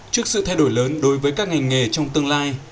trước sự thay đổi lớn đối với các ngành nghề trong tương lai